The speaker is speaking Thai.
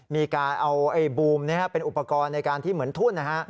มีการเอาบูมเป็นอุปกรณ์ในการที่เหมือนทุ่นนะฮะ